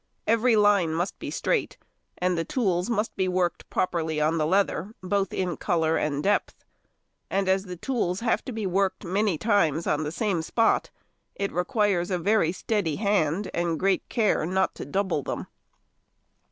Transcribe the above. Every line must be straight, and the tools must be worked properly on the leather, both in colour and depth; and as the tools have to be worked many times on the same spot, it requires a very steady hand and great care not to double them.